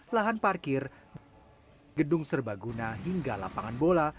lahan parkir gedung serbaguna hingga lapangan bola